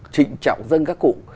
trịnh trọng dân các cụ